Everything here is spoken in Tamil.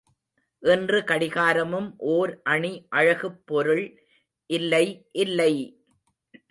இன்று கடிகாரமும் ஓர் அணி அழகுப் பொருள் இல்லை, இல்லை!